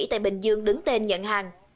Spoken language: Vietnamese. tại bình dương đứng tên nhận hàng